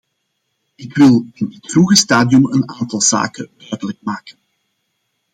Ik wil in dit vroege stadium een aantal zaken duidelijk maken.